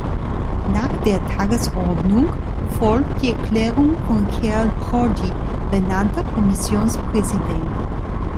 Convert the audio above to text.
Nach der Tagesordnung folgt die Erklärung von Herrn Prodi, benannter Kommissionspräsident.